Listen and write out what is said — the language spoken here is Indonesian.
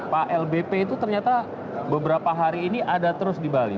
pak lbp itu ternyata beberapa hari ini ada terus di bali